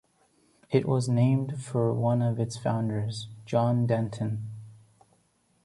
It was named for one of its founders, John Denton.